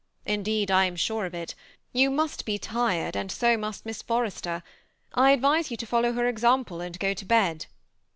Indeed, I am sure of it. You must be tired, and so must Miss For rester. I advise you to follow her example, and go to bed."